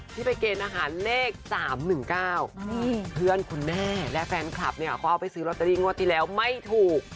ที่ไปเกณฑ์อาหารเลข๓๑๙เพื่อนคุณแม่และแฟนคลับเนี่ยเขาเอาไปซื้อลอตเตอรี่งวดที่แล้วไม่ถูก